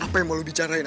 apa yang mau lu dicarain